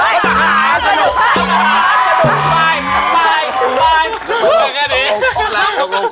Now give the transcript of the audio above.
ยิงขังขาสนุก